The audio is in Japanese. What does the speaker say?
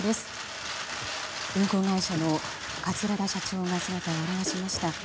運航会社の桂田社長が姿を現しました。